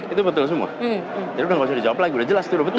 itu betul semua jadi sudah tidak perlu dijawab lagi sudah jelas itu sudah betul